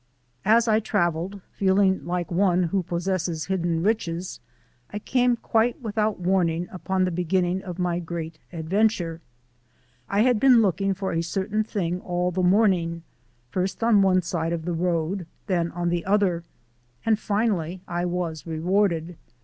As I travelled, feeling like one who possesses hidden riches, I came quite without warning upon the beginning of my great adventure. I had been looking for a certain thing all the morning, first on one side of the road, then the other, and finally I was rewarded.